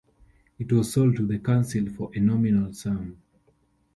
It was sold to the council for a nominal sum.